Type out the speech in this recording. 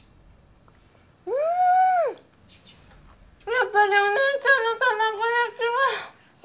やっぱりお姉ちゃんの卵焼きは。